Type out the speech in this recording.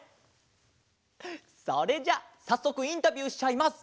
それじゃあさっそくインタビューしちゃいます。